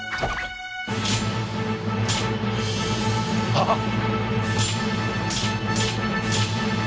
あっ。